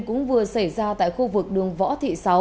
cũng vừa xảy ra tại khu vực đường võ thị sáu